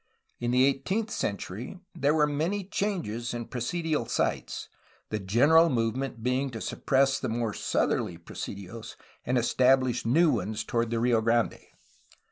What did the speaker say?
In the eighteenth century there were many changes in presidial sites, the general movement being to suppress the more southerly presidios and estabUsh new ones toward the Rio Grande.